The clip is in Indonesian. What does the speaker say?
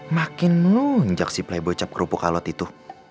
makin nunjak si plebocap kerupuk alot itu